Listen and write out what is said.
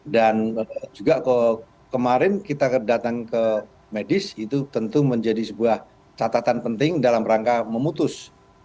dan juga kemarin kita datang ke medis itu tentu menjadi sebuah catatan penting dalam rangka memutus